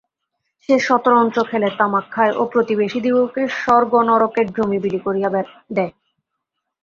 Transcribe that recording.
সে শতরঞ্চ খেলে, তামাক খায় ও প্রতিবেশীদিগকে স্বর্গনরকের জমি বিলি করিয়া দেয়।